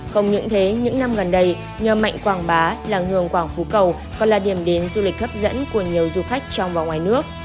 không những thế những năm gần đây nhờ mạnh quảng bá làng hương quảng phú cầu còn là điểm đến du lịch hấp dẫn của nhiều du khách trong và ngoài nước